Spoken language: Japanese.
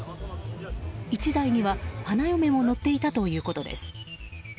１台には花嫁も乗っていたということです。